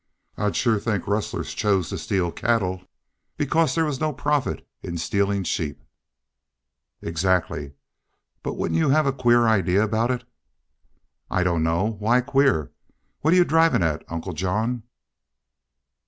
"I'd shore think rustlers chose to steal cattle because there was no profit in stealin' sheep." "Egzactly. But wouldn't you hev a queer idee aboot it?" "I don't know. Why queer? What 're y'u drivin' at, Uncle John?"